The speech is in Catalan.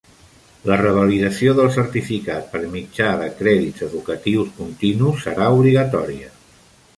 La revalidació del certificat, per mitjà de crèdits educatius continus, serà obligatòria.